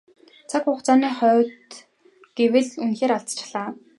Харин цаг хугацааны хувьд гэвэл үнэхээр алдчихлаа.